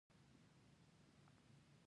د اردن د خاورې بوی ښه را ولګېده.